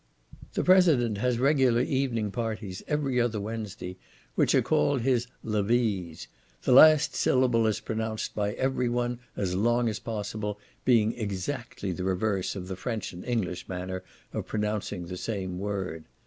The President has regular evening parties, every other Wednesday, which are called his levées; the last syllable is pronounced by every one as long as possible, being exactly the reverse of the French and English manner of pronouncing the same word.